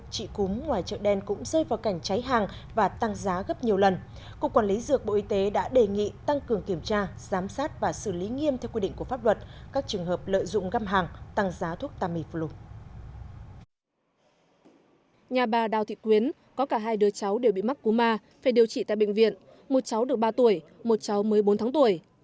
trong nhà bà đào thị quyến có cả hai đứa cháu đều bị mắc cú ma phải điều trị tại bệnh viện một cháu được ba tuổi một cháu mới bốn tháng tuổi